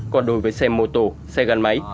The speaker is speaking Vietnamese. còn đối với xe mô tô xe gắn máy